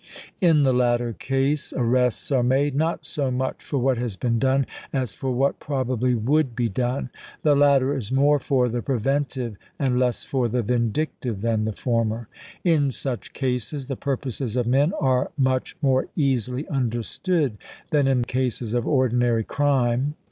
In the latter case arrests are made, not so much for what has been done as for what probably would be done. The latter is more for the preventive and less for the vindictive than the former. 346 ABEAHAM LINCOLN chap, xil In such cases the purposes of men are much more easily understood than in cases of ordinary crime.